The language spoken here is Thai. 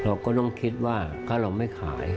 เราก็ต้องคิดว่าถ้าเราไม่ขาย